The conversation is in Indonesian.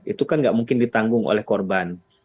itu kan nggak mungkin ditanggung oleh korban